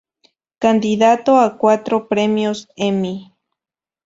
Candidato a cuatro Premios Emmy.